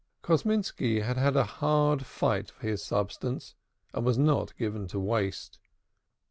Kosminski had had a hard fight for his substance, and was not given to waste.